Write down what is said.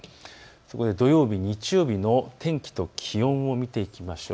土曜日、日曜日の天気と気温を見ていきましょう。